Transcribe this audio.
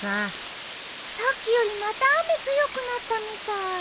さっきよりまた雨強くなったみたい。